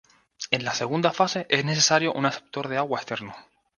En la segunda fase, es necesario un aceptor de agua externo.